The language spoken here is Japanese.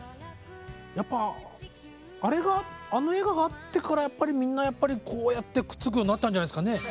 やっぱあの映画があってからやっぱりみんなやっぱりこうやってくっつくようになったんじゃないすかね。